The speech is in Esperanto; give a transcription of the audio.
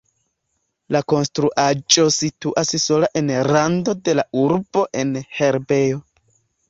La konstruaĵo situas sola en rando de la urbo en herbejo.